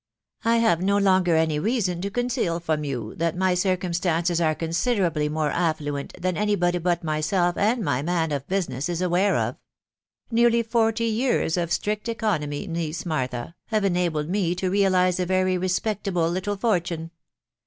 I have no longer any reason to conceal from you that my circumstances are considerably more affluent than any body but myself and my man of business is aware of. ... Nearly forty years of strict economy, niece Martha, have enabled me to realise a very respectable little fortune.